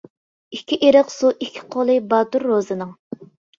ئىككى ئېرىق سۇ ئىككى قولى باتۇر روزىنىڭ.